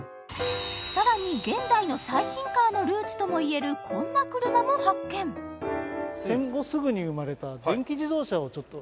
さらに現代の最新カーのルーツともいえるこんな車も発見戦後すぐに出たんですか？